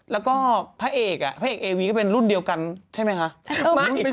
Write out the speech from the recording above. ถ้าเด็กหนุ่มคุณแม่จะไปเลยนะ